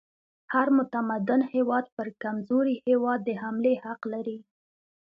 هر متمدن هیواد پر کمزوري هیواد د حملې حق لري.